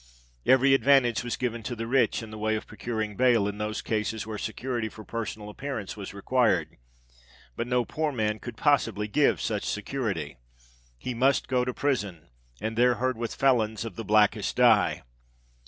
Every advantage was given to the rich in the way of procuring bail in those cases where security for personal appearance was required; but no poor man could possibly give such security. He must go to prison, and there herd with felons of the blackest dye.